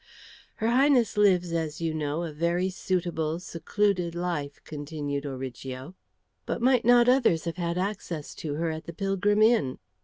"Her Highness lives, as you know, a very suitable, secluded life," continued Origo. "But might not others have had access to her at the Pilgrim Inn?"